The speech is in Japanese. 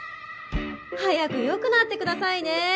早く良くなってくださいね店長。